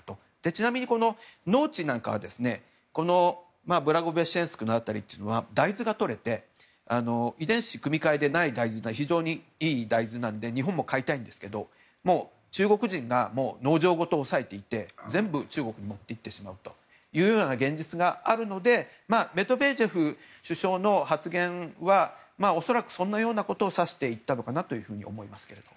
ちなみに、農地なんかはブラゴベシチェンスクの辺りは大豆がとれて遺伝子組み換えでない大豆が非常にいい大豆なので日本も買いたいんですけどもう中国人が農場ごと押さえていて全部中国に持っていってしまうというような現実があるのでメドベージェフ首相の発言は恐らくそんなようなことを指していったのかなと思います。